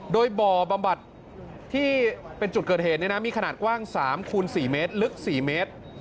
โดยบ่อบำบัดที่เป็นจุดเกิดเหตุมีขนาดกว้าง๓คูณ๔เมตรลึก๔เมตร